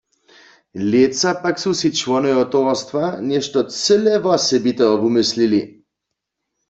Lětsa pak su sej čłonojo towarstwa něšto cyle wosebiteho wumyslili.